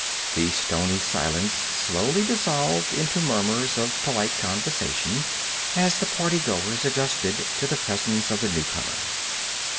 The stony silence slowly dissolved into murmurs of polite conversation as the party goers adjusted to the presence of the newcomer.